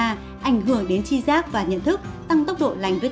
ảnh hưởng đến chi giác và nhận thức tăng tốc độ lành gan